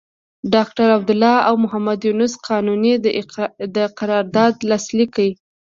ډاکټر عبدالله او محمد یونس قانوني دا قرارداد لاسليک کړ.